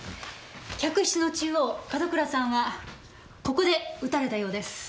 客室の中央門倉さんはここで撃たれたようです。